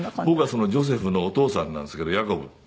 僕はそのジョセフのお父さんなんですけどヤコブ。